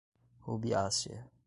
Rubiácea